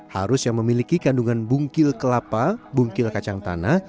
harus yang memiliki kandungan bungkil kelapa bungkil kacang tanah